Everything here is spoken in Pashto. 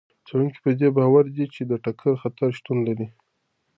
څېړونکي په دې باور دي چې د ټکر خطر شتون نه لري.